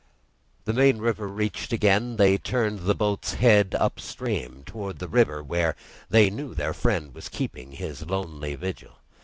The main river reached again, they turned the boat's head upstream, towards the point where they knew their friend was keeping his lonely vigil.